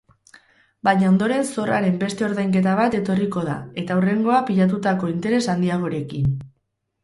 Baina ondoren zorraren beste ordainketa bat etorriko da eta hurrengoa pilatutako interes handiagorekin.